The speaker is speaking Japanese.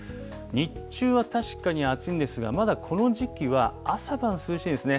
日中は確かに暑いんですが、まだこの時期は、朝晩、涼しいんですね。